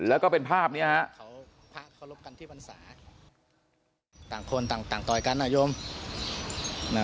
แล้วก็เป็นภาพนี้ฮะ